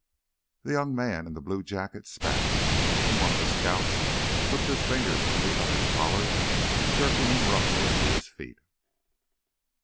The young man in the blue jacket spat, and one of the scouts hooked his fingers in the other's collar, jerking him roughly to his feet.